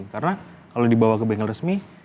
karena kalau dibawa ke bengkel resmi